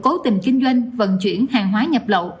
cố tình kinh doanh vận chuyển hàng hóa nhập lậu